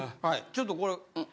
ちょっとこれ。